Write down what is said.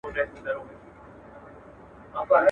له نارینه سره اوږه پر اوږه کار کوي